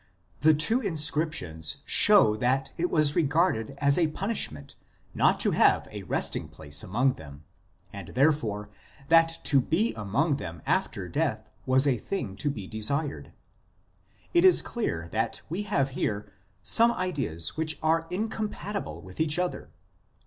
The two inscriptions show that it was regarded as a punishment not to have a resting place among them, and therefore that to be among them after death was a thing to be desired. It is clear that we have here some ideas which are incompatible with each other.